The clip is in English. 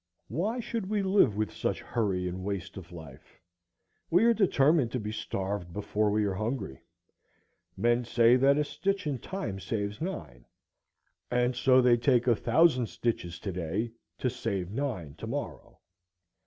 Why should we live with such hurry and waste of life? We are determined to be starved before we are hungry. Men say that a stitch in time saves nine, and so they take a thousand stitches to day to save nine to morrow.